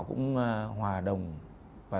cũng hòa đồng và